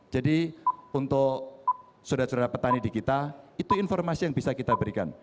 jadi untuk saudara saudara petani di kita itu informasi yang bisa kita berikan